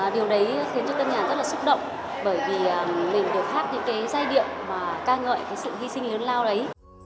điều đấy khiến cho tân nhàn rất là xúc động bởi vì mình được hát những giai điệu ca ngợi sự hy sinh lớn lao đấy